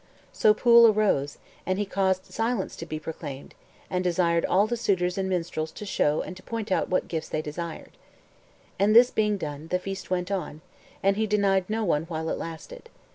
So Pwyll arose, and he caused silence to be proclaimed, and desired all the suitors and minstrels to show and to point out what gifts they desired. And this being done, the feast went on, and he denied no one while it lasted.